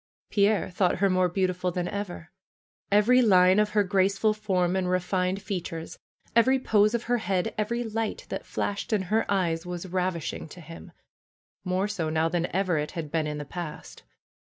Pierre thought her more beautiful than ever. Every line of her graceful form and refined features, every pose of her head, every light that flashed in her eyes was rav ishing to him, more so now than ever it had been in the past.